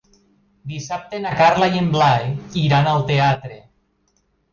Dissabte na Carla i en Blai iran al teatre.